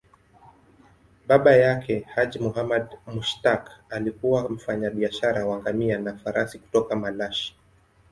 Baba yake, Haji Muhammad Mushtaq, alikuwa mfanyabiashara wa ngamia na farasi kutoka Malashi.